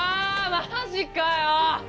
マジかよ！